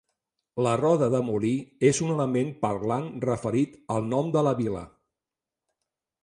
La roda de molí és un element parlant referit al nom de la vila.